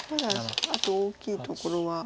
あと大きいところは。